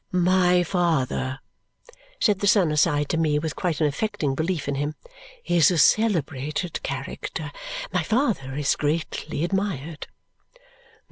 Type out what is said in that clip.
"My father," said the son, aside, to me with quite an affecting belief in him, "is a celebrated character. My father is greatly admired."